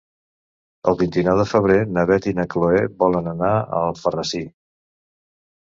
El vint-i-nou de febrer na Beth i na Chloé volen anar a Alfarrasí.